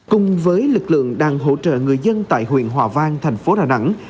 cùng với lực lượng đang hỗ trợ người dân tại huyện hòa vang thành phố đà nẵng